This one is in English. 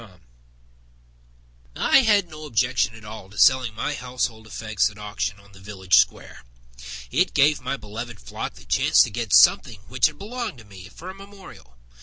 Abner Peet I had no objection at all To selling my household effects at auction On the village square. It gave my beloved flock the chance To get something which had belonged to me For a memorial.